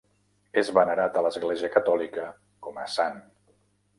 És venerat a l'Església catòlica com a sant.